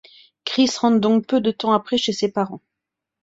Chris rentre donc peu de temps après chez ses parents.